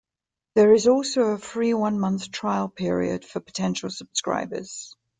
There is also a free one-month trial period for potential subscribers.